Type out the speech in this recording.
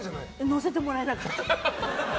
乗せてもらえなかった。